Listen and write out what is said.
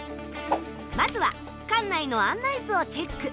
まずは館内の案内図をチェック。